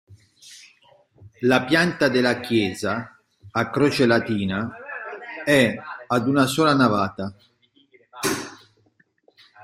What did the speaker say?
La pianta della chiesa, a croce latina, è ad una sola navata.